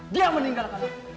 dia meninggalkan aku